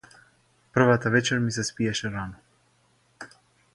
Првата вечер ми се спиеше рано.